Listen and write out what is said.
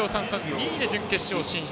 ２位で準決勝進出。